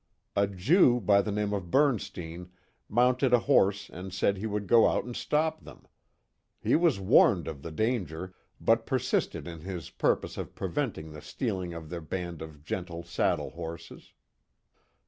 A Jew by the name of Bernstein, mounted a horse and said he would go out and stop them. He was warned of the danger, but persisted in his purpose of preventing the stealing of their band of gentle saddle horses.